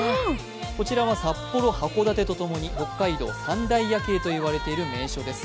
こちらは札幌、函館とともに北海道三大夜景と言われている名所です。